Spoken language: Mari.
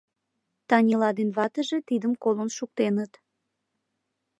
Танила ден ватыже тидым колын шуктеныт.